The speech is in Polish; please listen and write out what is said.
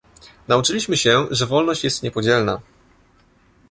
Nauczyliśmy się, że wolność jest niepodzielna